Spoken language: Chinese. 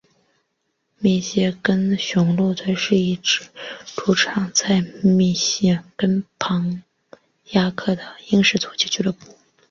密歇根雄鹿队是一支主场在密歇根庞蒂亚克的英式足球俱乐部。